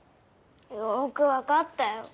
よくわかったよ。